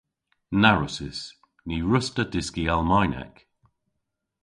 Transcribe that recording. Na wrussys. Ny wruss'ta dyski Almaynek.